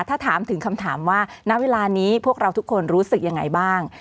ถ้าถามถึงคำถามว่าณเวลานี้พวกเราทุกคนรู้สึกยังไงบ้าง